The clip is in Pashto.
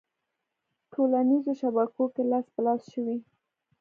ه ټولنیزو شبکو کې لاس په لاس شوې